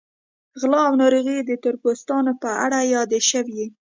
غلا او ناروغۍ د تور پوستانو په اړه یادې شوې.